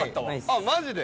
あっマジで？